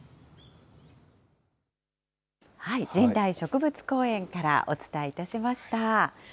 神代植物公園からお伝えいたしました。